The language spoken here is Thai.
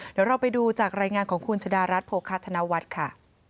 เดี๋ยวเราไปดูจากรายงานของคุณชะดารัฐโภคาธนวัฒน์ค่ะ